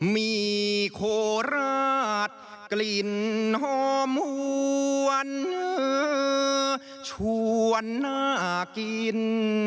มีโคราชกลิ่นหอมวนชวนน่ากิน